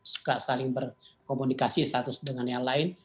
suka saling berkomunikasi satu dengan yang lain